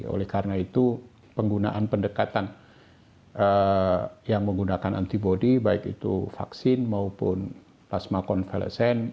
oleh karena itu penggunaan pendekatan yang menggunakan antibody baik itu vaksin maupun plasma konvalesen